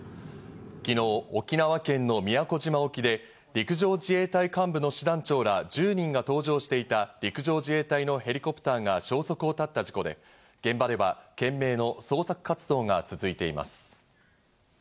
昨日、沖縄県の宮古島沖で陸上自衛隊幹部の師団長ら１０人が搭乗していた陸上自衛隊のヘリコプターが消息を絶った事故で、現場では懸命の捜索活動が続いています。